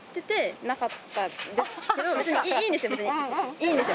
いいんですよ！